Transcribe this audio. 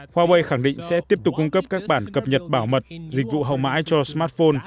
huawei khẳng định sẽ tiếp tục cung cấp các bản cập nhật bảo mật dịch vụ hậu mãi cho smartphone